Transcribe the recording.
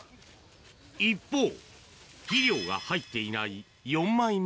一方、肥料が入っていない４